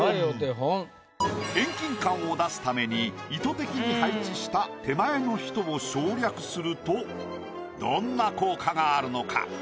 遠近感を出すために意図的に配置した手前の人を省略するとどんな効果があるのか？